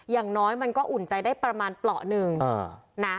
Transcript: อย่างน้อยมันก็อุ่นใจได้ประมาณเปราะหนึ่งนะ